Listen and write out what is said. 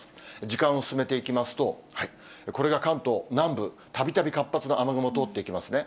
時間を進めていきますと、これが関東南部、たびたび活発な雨雲通っていきますね。